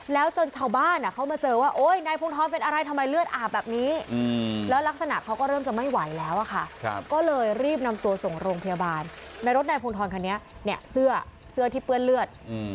ส่วนหน้าบ้านเราให้แตะข้ามขวาแล้วก็มีกองเลือด